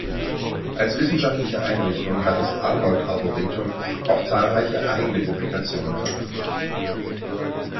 Als wissenschaftliche Einrichtung hat das Arnold-Arboretum auch zahlreiche eigene Publikationen veröffentlicht.